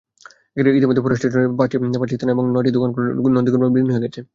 ইতিমধ্যে ফরেস্ট স্টেশনের পাঁচটি স্থাপনা এবং নয়টি দোকানঘর নদীগর্ভে বিলীন হয়ে গেছে।